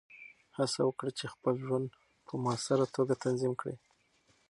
هڅه وکړه چې خپل ژوند په مؤثره توګه تنظیم کړې.